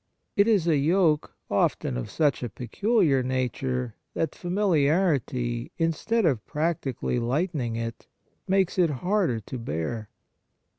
It is a yoke, often of such a peculiar nature that familiarity, instead of practically lightening it, makes it harder to bear.